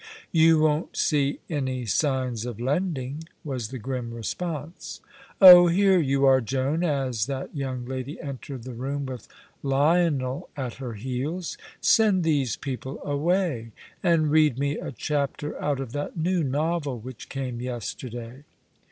"You won't see any signs of lending," was the grim response. "Oh, here you are, Joan," as that young lady entered the room with Lionel at her heels. "Send these people away, and read me a chapter out of that new novel which came yesterday."